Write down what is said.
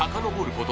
こと